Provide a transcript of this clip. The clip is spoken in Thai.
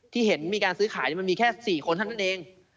ที่เห็นมีการซื้อขายมันมีแค่๔คนเท่านั้นเอง